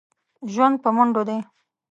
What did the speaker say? ژوند په منډو دی.